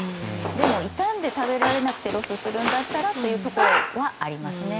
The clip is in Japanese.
でも、傷んで食べられなくてロスするんだったらってところはありますね。